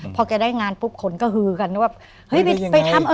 พอแกได้งานปุ๊บคนก็ฮือกันว่า